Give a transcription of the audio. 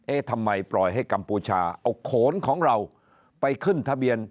ทำไมปล่อยให้กัมพูชาเอาโขนของเราไปขึ้นทะเบียน